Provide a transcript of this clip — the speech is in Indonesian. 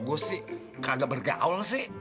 gue sih kagak bergaul sih